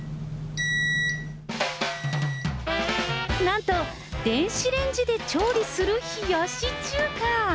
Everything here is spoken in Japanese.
なんと、電子レンジで調理する冷やし中華。